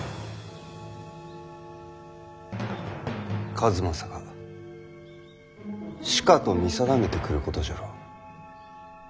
数正がしかと見定めてくることじゃろう。